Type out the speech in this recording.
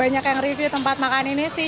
banyak yang review tempat makan ini sih